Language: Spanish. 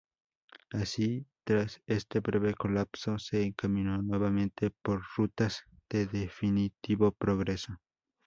Así tras este breve colapso, se encaminó nuevamente por rutas de definitivo progreso.